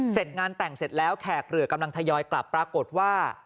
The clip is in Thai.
เสร็จงานแต่งเสร็จแล้วแขกเรือกำลังทยอยกลับปรากฏว่า